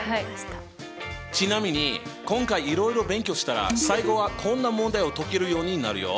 ちなみに今回いろいろ勉強したら最後はこんな問題を解けるようになるよ！